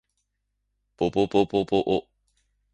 ぼぼぼぼぼお